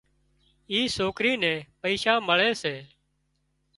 اِي سوڪرِي نين پئيشا مۯي سي